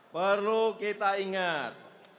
perlu kita ingat